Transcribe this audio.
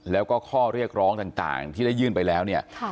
แล้วก็ข้อเรียกร้องต่างที่ได้ยื่นไปแล้วเนี่ย